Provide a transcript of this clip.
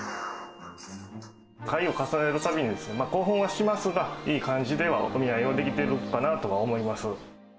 回を重ねるたびにですね、興奮はしますが、いい感じではお見合いをできてるかなと思います。